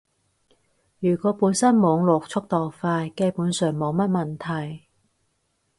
如果本身網絡速度快，基本上冇乜問題